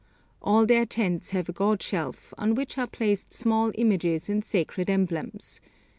All their tents have a god shelf, on which are placed small images and sacred emblems.